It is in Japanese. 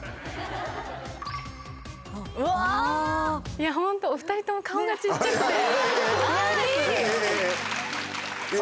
いやホントお二人とも顔がちっちゃくてお似合いですあっ